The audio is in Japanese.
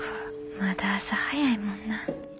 まだ朝早いもんな。